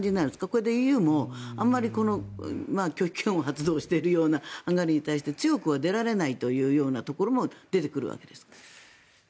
これでＥＵもあまり拒否権を発動しているようなハンガリーに対して強くは出られないというところも出てくるわけですか。